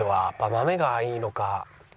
豆がいいのか。